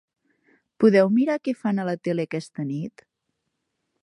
Podeu mirar què fan a la tele aquesta nit?